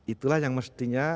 itulah yang mestinya